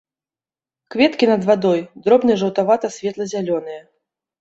Кветкі над вадой, дробныя жаўтавата-светла-зялёныя.